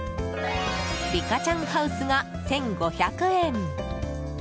リカちゃんハウスが１５００円。